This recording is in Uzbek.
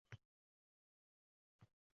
Odamlar va odamgarchilik